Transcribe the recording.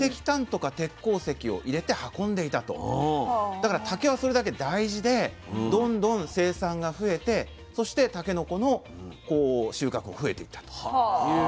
だから竹はそれだけ大事でどんどん生産が増えてそしてたけのこの収穫も増えていったということなんですよね。